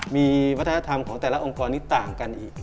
มีวัฒนธรรมของแต่ละองค์กรนี้ต่างกันอีก